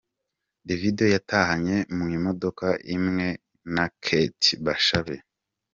Davido yatahanye mu imodoka imwe na Kate Bashabe.